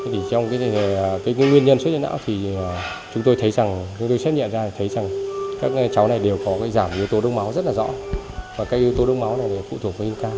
trong cái nguyên nhân suất huyết não thì chúng tôi xét nghiệm ra thấy rằng các cháu này đều có giảm yếu tố đông máu rất là rõ và cái yếu tố đông máu này phụ thuộc vào vitamin k